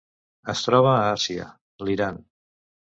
Es troba a Àsia: l'Iran.